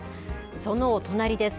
そのお隣です。